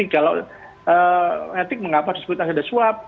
kalau etik mengapa disebut ada swab